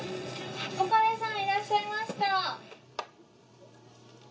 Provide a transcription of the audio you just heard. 岡部さんいらっしゃいました。